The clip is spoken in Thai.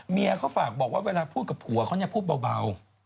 เมียเขาฝากบอกว่าเวลาพูดกับผัวเขาเนี่ยพูดเบา